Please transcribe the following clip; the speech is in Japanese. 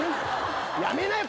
やめなよ